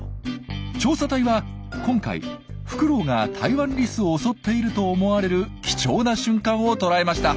調査隊は今回フクロウがタイワンリスを襲っていると思われる貴重な瞬間を捉えました。